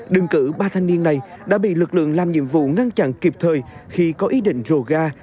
đừng cử ba thanh niên này đã bị lực lượng làm nhiệm vụ ngăn chặn kịp thời khi có ý định rồ ga